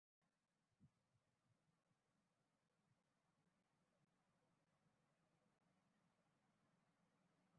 القرى قد تهدمت والبيوت